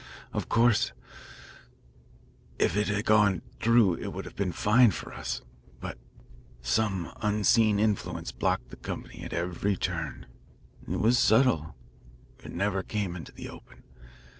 Of course, if it had gone through it would have been fine for us. But some unseen influence blocked the company at every turn. It was subtle; it never came into the open.